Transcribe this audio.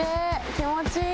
気持ちいい。